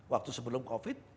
waktu sebelum covid